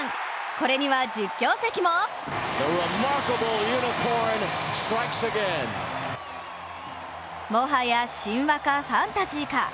これには実況席ももはや神話かファンタジーか。